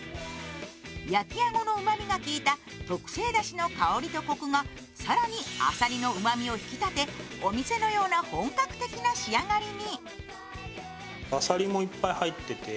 焼きあごのうまみがきいた特製だしの香りとコクが更にあさりのうまみを引き立てお店のような本格的な仕上がりに。